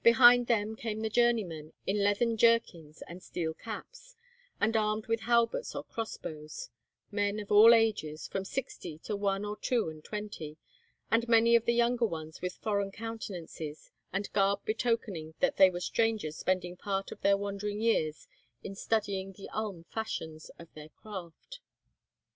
Behind them came the journeymen, in leathern jerkins and steel caps, and armed with halberts or cross bows; men of all ages, from sixty to one or two and twenty, and many of the younger ones with foreign countenances and garb betokening that they were strangers spending part of their wandering years in studying the Ulm fashions of their craft.